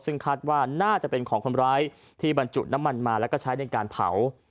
ซึ่งคาดว่าน่าจะเป็นของคนร้ายที่บรรจุน้ำมันมาแล้วก็ใช้ในการเผา